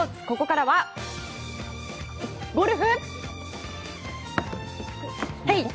ここからはゴルフ。